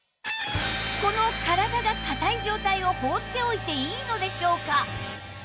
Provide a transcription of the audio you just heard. この体が硬い状態を放っておいていいのでしょうか？